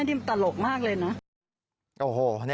ดิมตลกมากเลยนะ